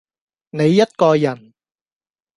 你一個人，